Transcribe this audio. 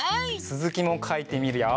つづきもかいてみるよ。